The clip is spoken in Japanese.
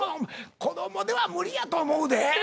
子どもでは無理やと思うで。